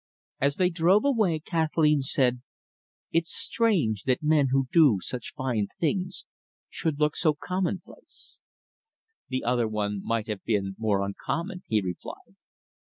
As they drove away, Kathleen said: "It's strange that men who do such fine things should look so commonplace." "The other one might have been more uncommon," he replied.